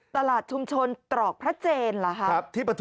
ตลาดชุมชนตรอกพระเจนเหรอคะ